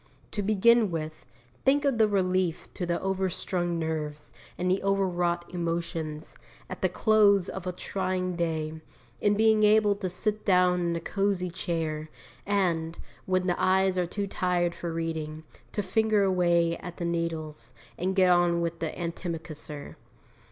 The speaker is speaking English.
To begin with, think of the relief to the overstrung nerves and the over wrought emotions, at the close of a trying day, in being able to sit down in a cosy chair, and, when the eyes are too tired for reading, to finger away at the needles, and get on with the antimacassar.